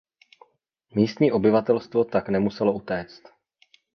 Místní obyvatelstvo tak nemuselo utéct.